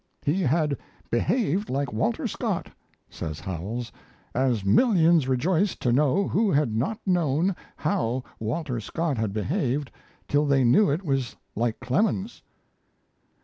"He had behaved like Walter Scott," says Howells, "as millions rejoiced to know who had not known how Walter Scott had behaved till they knew it was like Clemens."